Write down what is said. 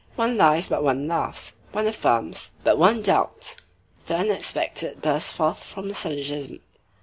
One lies, but one laughs. One affirms, but one doubts. The unexpected bursts forth from the syllogism.